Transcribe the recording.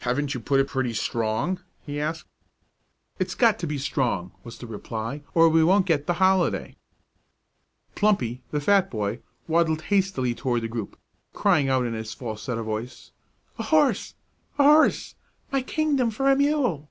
"Haven't you put it pretty strong?" he asked. "It's got to be strong," was the reply, "or we won't get the holiday." Plumpy, the fat boy, waddled hastily toward the group, crying out in his falsetto voice: "A horse! a horse! my kingdom for a mule!"